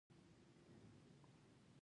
د ونډه ایز یا سهامي شرکتونو په اړه پوهېږو